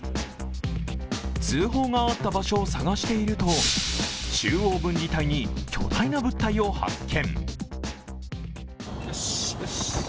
通報があった場所を探していると、中央分離帯に巨大な物体を発見。